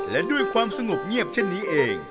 และด้วยความสงบเงียบเช่นนี้เอง